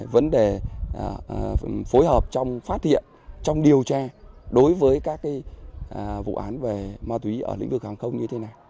vấn đề phối hợp trong phát hiện trong điều tra đối với các vụ án về ma túy ở lĩnh vực hàng không như thế nào